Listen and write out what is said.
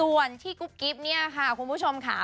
ส่วนที่กุ๊บกิ๊บเนี่ยค่ะคุณผู้ชมค่ะ